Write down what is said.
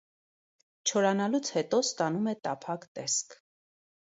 Չորանալուց հետո ստանում է տափակ տեսք։